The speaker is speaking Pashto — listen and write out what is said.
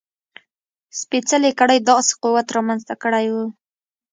سپېڅلې کړۍ داسې قوت رامنځته کړی و.